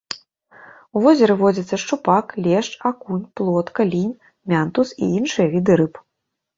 У возеры водзяцца шчупак, лешч, акунь, плотка, лінь, мянтуз і іншыя віды рыб.